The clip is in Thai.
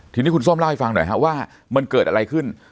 ทีนี้คุณส้มเล่าให้ฟังหน่อยฮะว่ามันเกิดอะไรขึ้น